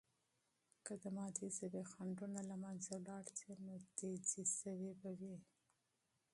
که د مادی ژبې خنډونه له منځه ولاړ سي، نو تیزي سوې به وي.